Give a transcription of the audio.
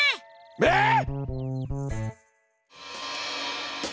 えっ！？